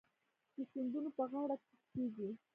د سیندونو په غاړه توت کیږي.